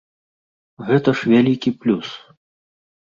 Гэта ж вялікі плюс!